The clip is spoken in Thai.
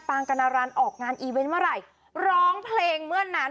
งกนารันออกงานอีเวนต์เมื่อไหร่ร้องเพลงเมื่อนั้น